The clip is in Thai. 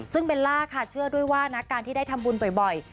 ซึ่งเบลล่าค่ะเชื่อด้วยว่านะการที่ได้ทำบุญบ่อย